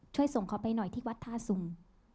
ช่วยส่งเขาไปหน่อยที่วัดท่าสุง